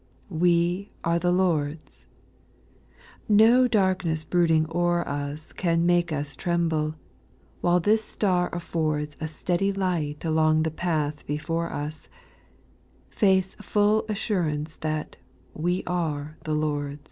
8. " We are the Lord's." No darkness brooding o'er us Can make us tremble, while this star affords A steady light along the path before us — Faith's full assurance that " We arc the Lord's."